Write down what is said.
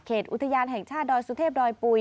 เขตอุทยานแห่งชาติดอยสุทธิพร์ดอยปุ๋ย